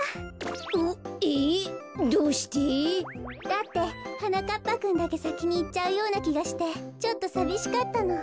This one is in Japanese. だってはなかっぱくんだけさきにいっちゃうようなきがしてちょっとさびしかったの。